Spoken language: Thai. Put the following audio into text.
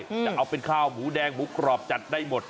จะเอาเป็นข้าวหมูแดงหมูกรอบจัดได้หมด